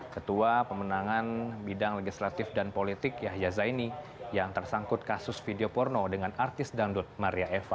ketua pemenangan bidang legislatif dan politik yahya zaini yang tersangkut kasus video porno dengan artis dangdut maria eva